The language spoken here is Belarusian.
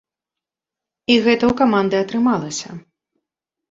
І гэта ў каманды атрымалася.